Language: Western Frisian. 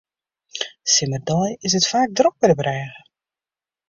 Simmerdeis is it faak drok by de brêge.